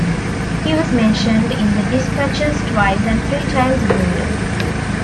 He was Mentioned in Despatches twice and three times wounded.